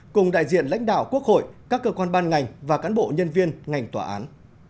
cùng đại diện lãnh đạo quốc hội các cơ quan ban ngành và cán bộ nhân viên ngành tòa án